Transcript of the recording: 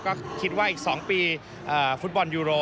ก็คิดว่าอีก๒ปีฟุตบอลยูโร